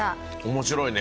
面白いね。